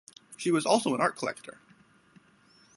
She was also an art collector.